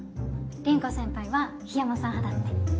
凛子先輩は緋山さん派だって。